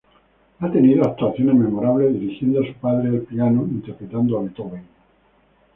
Ha tenido actuaciones memorables dirigiendo a su padre al piano interpretando a Beethoven.